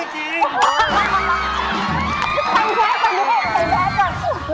สัญแพทย์